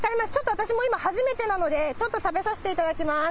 私も今、初めてなので、ちょっと食べさせていただきます。